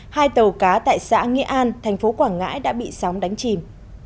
hai tàu cá tại xã nghĩa an thành phố quảng ngãi đã bị sóng đánh chìm